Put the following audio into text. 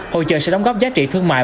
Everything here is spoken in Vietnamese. hội trợ sẽ đóng góp giá trị thương mại